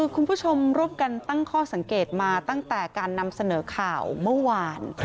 คุณผู้ชมร่วมกันตั้งข้อสังเกตมาตั้งแต่การนำเสนอข่าวเมื่อวาน